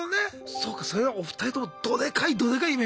そうかそれはお二人ともどでかいどでかい夢みましたもんね。